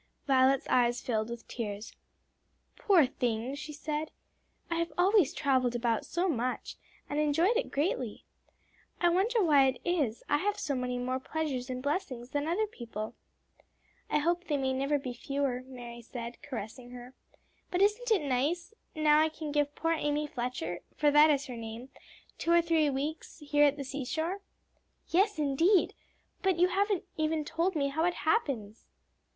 '" Violet's eyes filled with tears. "Poor thing!" she said. "I have always travelled about so much, and enjoyed it greatly. I wonder why it is I have so many more pleasures and blessings than other people." "I hope they may never be fewer," Mary said, caressing her. "But isn't it nice that now I can give poor Amy Fletcher for that is her name two or three weeks here at the sea shore?" "Yes, indeed! But you haven't told me how it happens."